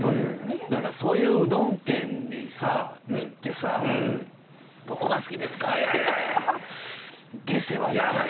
だからそういううどん県にさ行ってさ「どこが好きですか？」って下世話よね。